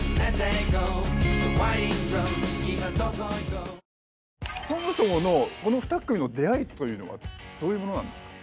そもそもこの２組の出会いというのはどういうものなんですか？